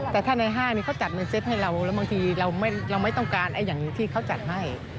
แต่ถ้าในห้างนี้เขาจัดในเซตให้เราแล้วบางทีเราไม่ต้องการอย่างที่เขาจัดให้